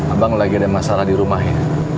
abang lagi ada masalah di rumah ya